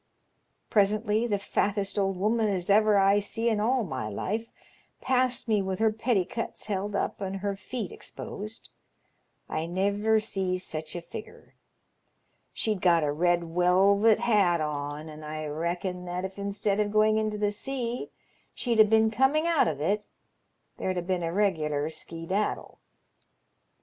Presently the fattest old woman as ever I see in all my life, passed me with her petticuts held up and her feet exposed. I niver see sich a figger. She'd got a red welvet bat on, and I reckon 154 'LONGSHOBLMAirS TAJiNS. that if instead of going into the sea, she'd ha' been coming out of it, there'd ha' been a regular skeedaddle.